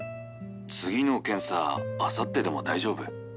☎次の検査あさってでも大丈夫？